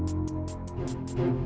kamu dianggap istri anda